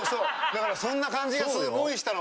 だからそんな感じがすごいしたの。